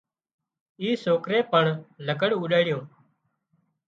اي سوڪري پڻ لگھڙ اوڏاڙيون